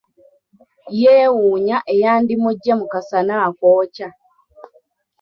Yeewuunya eyandimugye mu kasana akookya.